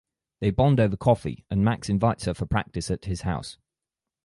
They bond over coffee and Max invites her for practice at his house.